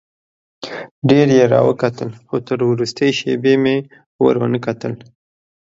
ډېر یې راوکتل خو تر وروستۍ شېبې مې ور ونه کتل.